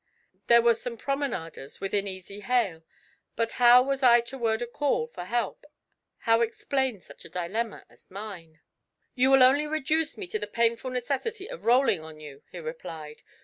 There were some promenaders within easy hail; but how was I to word a call for help, how explain such a dilemma as mine? 'You will only reduce me to the painful necessity of rolling on you,' he replied.